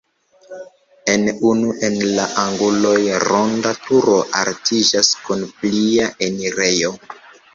En unu el la anguloj ronda turo altiĝas kun plia enirejo.